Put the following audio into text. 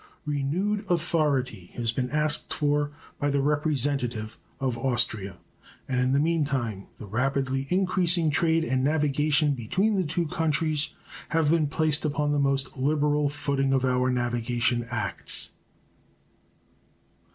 Renewed authority has been asked for by the representative of Austria, and in the mean time the rapidly increasing trade and navigation between the two countries have been placed upon the most liberal footing of our navigation acts.